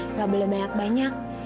nggak boleh banyak banyak